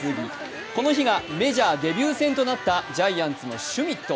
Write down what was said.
この日がメジャーデビュー戦となったジャイアンツのシュミット。